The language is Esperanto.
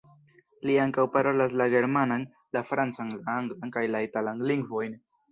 Li ankaŭ parolas la germanan, la francan, la anglan kaj la italan lingvojn.